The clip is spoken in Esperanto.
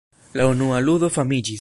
La unua ludo famiĝis.